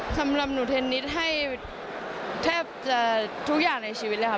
สำหรับหนูเทนนิสให้แทบจะทุกอย่างในชีวิตเลยค่ะ